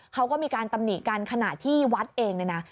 เขาก็มีการตำหนิกันขณะที่วัดเองเนี่ยนะ